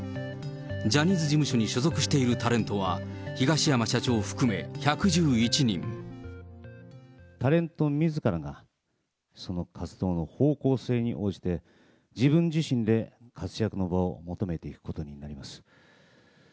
ジャニーズ事務所に所属しているタレントは、タレントみずからがその活動の方向性に応じて、自分自身で活躍の場を求めていくことになります。